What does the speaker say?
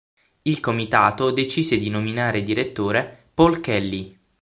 Il comitato decise di nominare direttore Paul Kelly.